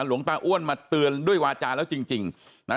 หลวงตาอ้วนมาเตือนด้วยวาจาแล้วจริงจริงนะ